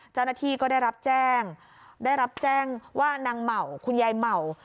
เจ้าหน้าที่ก็ได้รับแจ้งได้รับแจ้งว่านางเหมาคุณยายเหมา